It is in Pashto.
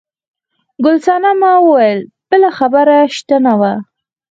ګل صنمه وویل بله خبره شته نه وه.